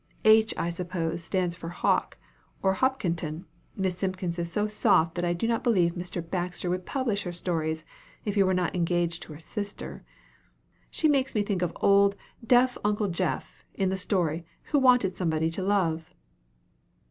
H., I suppose, stands for Hawke, or Hopkinton. Miss Simpkins is so soft that I do not believe Mr. Baxter would publish her stories, if he were not engaged to her sister. She makes me think of old 'deaf uncle Jeff,' in the story, who wanted somebody to love."